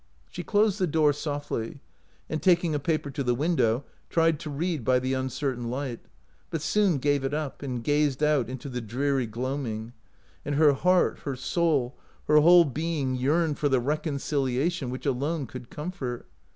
She closed the door softly, and, taking a paper to the win dow, tried to read by the uncertain light, but soon gave it up, and gazed out into the dreary gloaming ; and her heart, her soul, her whole being yearned for the reconciliation which alone could comfort.